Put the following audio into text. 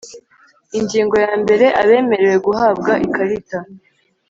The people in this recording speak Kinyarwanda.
Ingingo ya mbere Abemerewe guhabwa ikarita